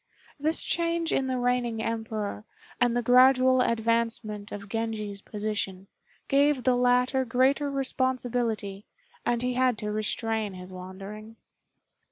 This change in the reigning Emperor, and the gradual advancement of Genji's position, gave the latter greater responsibility, and he had to restrain his wandering.